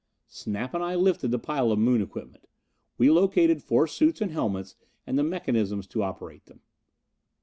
Snap and I lifted the pile of Moon equipment. We located four suits and helmets and the mechanisms to operate them.